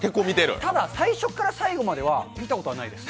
ただ、最初から最後までは見たことはないです。